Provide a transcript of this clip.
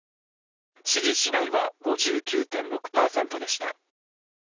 支持しないは５９．６％でした。